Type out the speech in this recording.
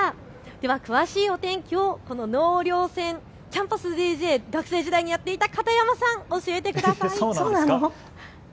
では詳しいお天気を納涼船、キャンパスＤＪ、学生時代にやっていた片山さん、教えてください。